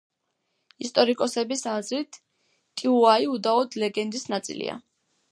ისტორიკოსების აზრით, ტიუაი უდაოდ ლეგენდის ნაწილია.